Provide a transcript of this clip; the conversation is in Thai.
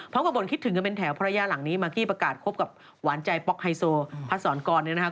กระบ่นคิดถึงกันเป็นแถวภรรยาหลังนี้มากกี้ประกาศคบกับหวานใจป๊อกไฮโซพัดสอนกรเนี่ยนะครับ